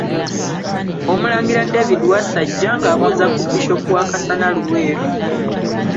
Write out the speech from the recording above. Omulangira David Wasajja ng'abuuza ku Bishop wa Kasana Luweero .